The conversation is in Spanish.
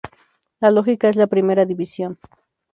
La Lógica es la primera división.